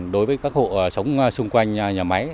đối với các hộ sống xung quanh nhà máy